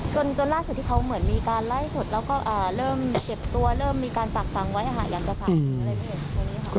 จนล่าสุดที่เขาเหมือนมีการไร้สุดแล้วก็เริ่มเก็บตัวเริ่มมีการฝากฟังไว้หาอย่างเถอะครับ